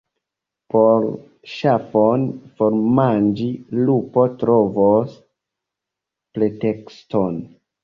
Por ŝafon formanĝi, lupo trovos pretekston.